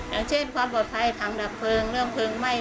อย่างเช่นความปลอดภัยถังดับเพลิงเรื่องเพลิงไหม้